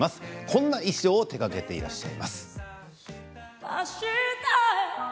こんな衣装をていらっしゃいます。